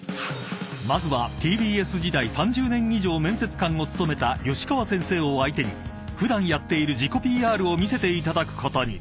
［まずはＴＢＳ時代３０年以上面接官を務めた吉川先生を相手に普段やっている自己ＰＲを見せていただくことに］